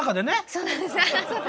そうなんです。